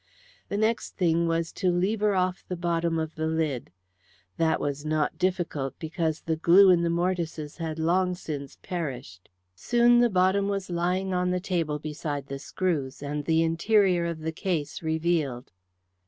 The next thing was to lever off the bottom of the lid. That was not difficult, because the glue in the mortises had long since perished. Soon the bottom was lying on the table beside the screws, and the interior of the case revealed.